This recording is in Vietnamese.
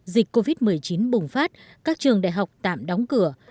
dịch covid một mươi chín bùng phát các trường đại học tạm đóng cửa